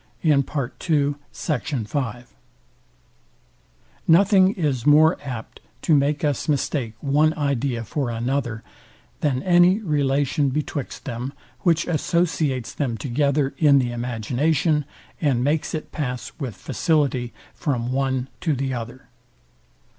Nothing is more apt to make us mistake one idea for another, than any relation betwixt them, which associates them together in the imagination, and makes it pass with facility from one to the other.